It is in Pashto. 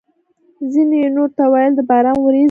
ځینو یې نورو ته ویل: د باران ورېځ ده!